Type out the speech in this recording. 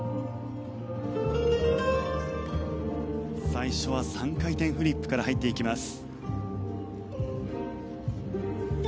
最初は３回転フリップから入っていきます。